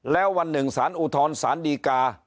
แล้ววันหนึ่งสารอุทธรสารดีกา